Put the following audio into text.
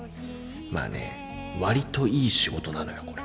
まあねわりといい仕事なのよこれ。